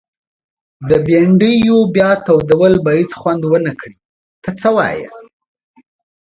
د بنډیو بیا تودول به هيڅ خوند ونکړي ته څه وايي؟